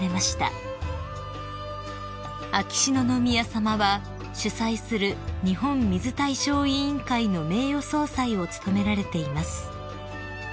［秋篠宮さまは主催する日本水大賞委員会の名誉総裁を務められています］